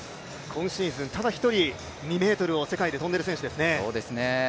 今シーズン、ただ一人、２ｍを世界で跳んでいる選手です。